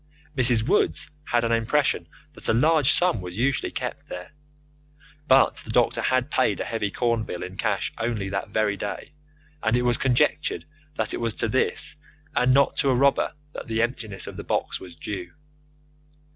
Mrs. Woods had an impression that a large sum was usually kept there, but the doctor had paid a heavy corn bill in cash only that very day, and it was conjectured that it was to this and not to a robber that the emptiness of the box was due.